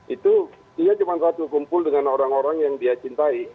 itu dia cuma satu kumpul dengan orang orang yang dia cintai